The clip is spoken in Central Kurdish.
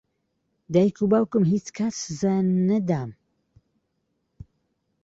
دایک و باوکم هیچ کات سزایان نەدام.